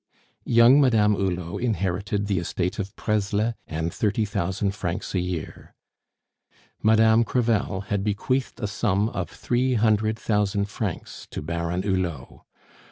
Young Madame Hulot inherited the estate of Presles and thirty thousand francs a year. Madame Crevel had bequeathed a sum of three hundred thousand francs to Baron Hulot.